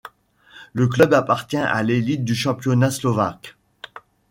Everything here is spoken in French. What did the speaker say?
Le club appartient à l'élite du championnat slovaque.